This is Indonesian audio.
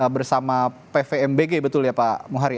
bersama pvmbg betul ya pak muhari